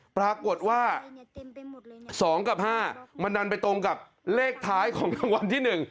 ปรากฏว่า๒กับ๕มันดันไปตรงกับเลขท้ายของรางวัลที่๑